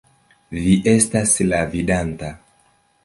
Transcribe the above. Vi estas la Vidanta!